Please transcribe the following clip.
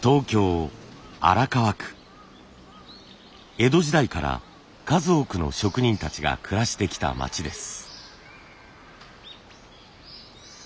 江戸時代から数多くの職人たちが暮らしてきた町です。